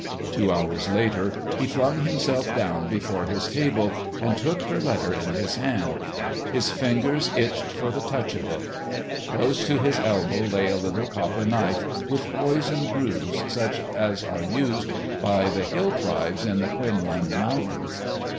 Two hours later, he flung himself down before his table and took her letter in his hand. His fingers itched for the touch of it. Close to his elbow lay a little copper knife with poison grooves, such as are used by the Hill tribes in the Kuen Lun mountains.